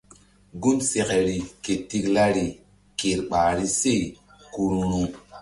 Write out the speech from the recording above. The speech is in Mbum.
Gun sekeri ke tiklari ker ɓahri se ku ru̧ru̧.